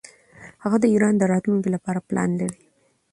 هغه د ایران د راتلونکي لپاره پلان لري.